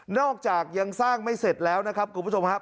อกจากยังสร้างไม่เสร็จแล้วนะครับคุณผู้ชมครับ